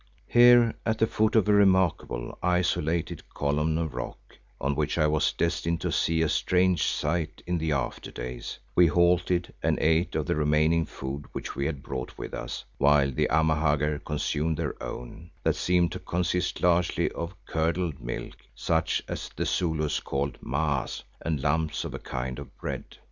Here, at the foot of a remarkable, isolated column of rock, on which I was destined to see a strange sight in the after days, we halted and ate of the remaining food which we had brought with us, while the Amahagger consumed their own, that seemed to consist largely of curdled milk, such as the Zulus call maas, and lumps of a kind of bread.